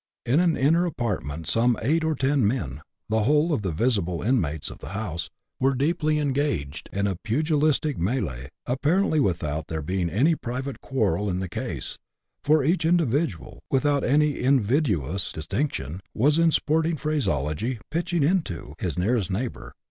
In an inner apartment some eight or ten men, the whole of the visible inmates of the house, were deeply engaged in a pugilistic melee, apparently without there being any private quarrel in the case, for each individual, without any invidious distinction, was, in sporting phraseology, " pitching into " his nearest neighbour.